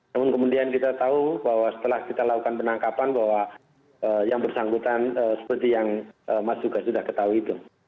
namun kemudian kita tahu bahwa setelah kita lakukan penangkapan bahwa yang bersangkutan seperti yang mas juga sudah ketahui itu